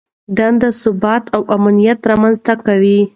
دندې ثبات او امنیت رامنځته کوي.